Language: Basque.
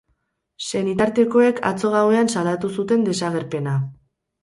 Senitartekoek atzo gauean salatu zuten desagerpena.